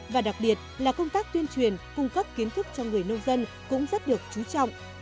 và đặc biệt là công tác tuyên truyền cung cấp kiến thức cho người nông dân cũng rất được trú trọng